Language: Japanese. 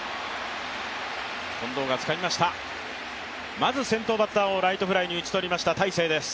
まず先頭バッターをライトフライに打ち取りました大勢です。